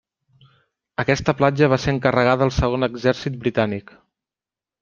Aquesta platja va ser encarregada al Segon exèrcit britànic.